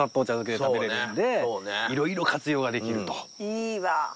いいわ。